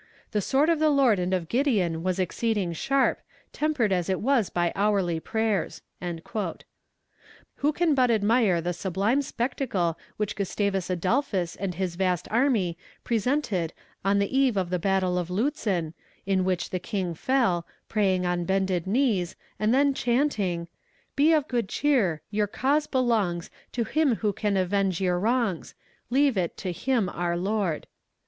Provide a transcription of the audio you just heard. "The sword of the Lord and of Gideon was exceeding sharp, tempered as it was by hourly prayers." Who can but admire the sublime spectacle which Gustavus Adolphus and his vast army presented on the eve of the battle of Lutzen, in which the King fell, praying on bended knees, and then chanting: Be of good cheer; your cause belongs To Him who can avenge your wrongs; Leave it to Him our Lord.